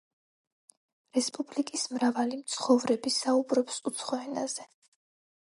რესპუბლიკის მრავალი მცხოვრები საუბრობს უცხო ენაზე.